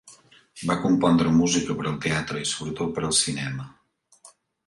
Va compondre música per al teatre i sobretot per al cinema.